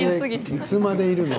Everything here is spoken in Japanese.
いつまでいるの？